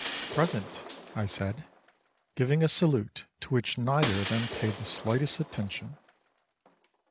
"Present," I said, giving a salute to which neither of them paid the slightest attention.